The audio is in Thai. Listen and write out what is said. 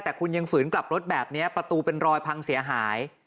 แต่คุณยังฝืนกลับรถแบบนี้ประตูเป็นรอยพังเสียหาย